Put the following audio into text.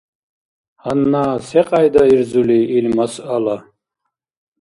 Гьанна секьяйда ирзули ил масъала?